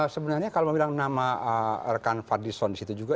sebenarnya kalau bilang nama rekan fadlizon di situ juga